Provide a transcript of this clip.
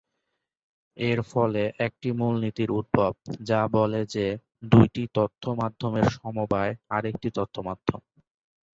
এর ফলে একটি মূলনীতির উদ্ভব, যা বলে যে দুইটি তথ্য মাধ্যমের সমবায় আরেকটি তথ্য মাধ্যম।